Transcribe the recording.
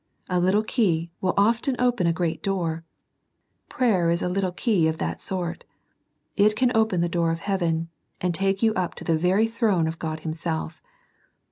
A little key will often open a great door. Prayer is a little key of that sort. It can open the door of heaven, and take you up to the very throne of God Himself.